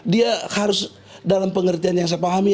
dia harus dalam pengertian yang saya pahami